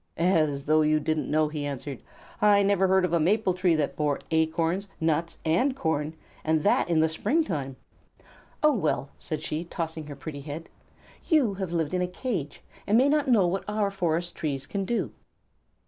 "As though you didn't know!" he answered. "I never heard of a maple tree that bore acorns, nuts, and corn, and that in the springtime." "Oh, well," said she, tossing her pretty head, "you have lived in a cage and may not know what our forest trees can do."